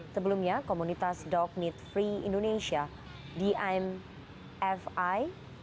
sebelumnya komunitas dog meat free indonesia dmfi